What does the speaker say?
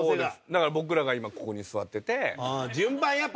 だから僕らが今ここに座ってて。